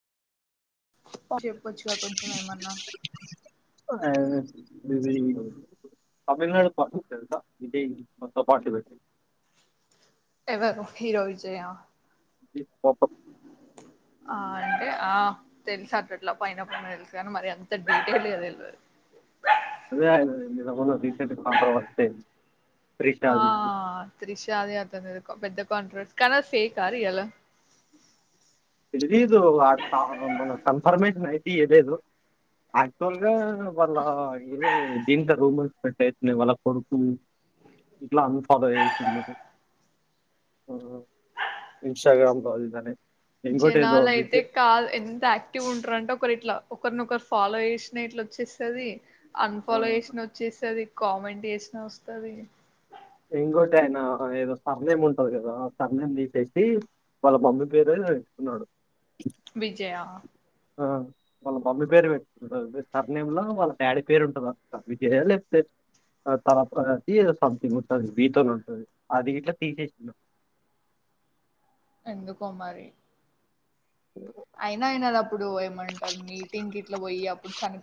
చెప్పొచ్చుగా కొంచెం ఏమన్నా అజ [unintelligible] తమిళనాడు ప ఇదే మ పార్టిబట్ ఎవరు హీరో విజయ పప [unintelligible] ఆ అంటే ఆ తెలుస అటట్లా పైన పైన తెలుసు కాని మరి అంత డీటెయిల్ గా తెలియదు అదే ఆయనది నిన్న మొన్న రీసెంట్ కాంట్రవర్స అయి ఆ త్రిష అది యాత్రంద పెద్ద కాంట్రవర్సీ కానీ అది ఫేకా రియలా తెలిదు మన కన్ఫర్మేషన్ అయితేయలేదు క్చువల్ గా వల్ ఇ దింట ర అంటే వాళ్ల కొడుకు ఇంట్లో అంతా అలా చేసిండ్రు ఇంస్టాగ్రామ్ కాదితానే జనాలు అయితే కాదు ఎంత యాక్టివ్ ఉంటారంటే ఒకరు ఇట్లా ఒకరినొకరు ఫాలో చేసిన ఇట్లా వచ్చేస్తుంది ఆ, అన్ఫాలో చేసిన వచ్చేస్తుంది కామెంట్ వేసిన వస్తది ఇంకోటి ఆయనా ఏదో సర్నేమ్ ఉంటది కదా సర్నేమ్ తీసేసి వాళ్ళ మమ్మీ పేరొ ఎదో పెట్టుకున్నడు విజయా కాదు వాళ్ళ మమ్మి పేరు పె సర్నేమ్ లో వాళ్ళ డాడీ పేరు ఉంటారు అ విజయ లేప్తే త ద సథంగ్ ఉ [unintelligible] అది బీతోనే ఉంటుంది అది ఇట్లా తీసేస్తున్నాం ఎందుకో మరి ప్పుడు పోయమంటారు మీటింగ్ ఇట్లా పోయ్య అప్పుడు చని